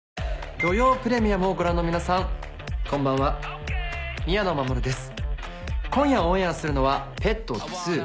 『土曜プレミアム』をご覧の皆さんこんばんは宮野真守です。